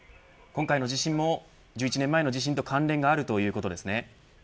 今回の地震も１１年前の地震と関連があるということですか。